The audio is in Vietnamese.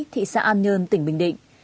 thị xã an nhơn tỉnh bình định